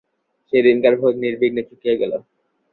সেদিনকার ভোজ নির্বিঘ্নে চুকিয়া গেল।